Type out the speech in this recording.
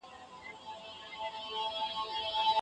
زه د خپل راتلونکي په اړه ډېر اندېښمن وم.